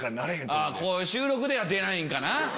こういう収録では出ないんかな？